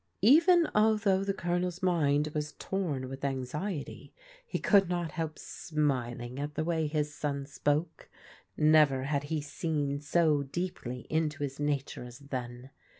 Even although the Colonel's mind was torn with anx iety, he could not help smiling at the way his son spoke. Never had he seen so deeply into his nature as then.